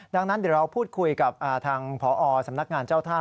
ดังนั้นเดี๋ยวเราพูดคุยกับทางพอสำนักงานเจ้าท่า